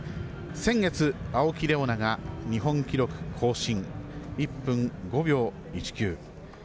先月、青木玲緒樹が日本記録更新１分５秒１９。